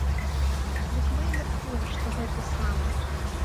Дык мы і мяркуем, што гэты самы.